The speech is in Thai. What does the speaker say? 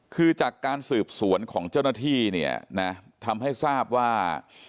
คือจากการสืบสวนของเจ้าหน้าที่เนี่ยนะทำให้ทราบว่า